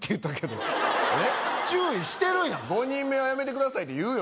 ５人目はやめてくださいって言うよ